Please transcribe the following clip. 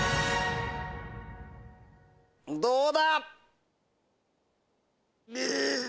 どうだ⁉ん！